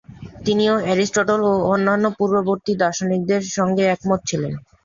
তিনিও এরিস্টটল ও অন্যান্য পূর্ববর্তী দার্শনিকদের সঙ্গে একমত ছিলেন।